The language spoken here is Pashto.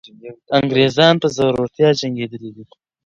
انګریزان په زړورتیا جنګېدلي دي.